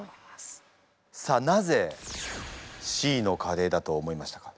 さあなぜＣのカレーだと思いましたか？